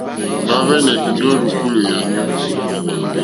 Mbahve nà èndè o rzùkulù yànyu.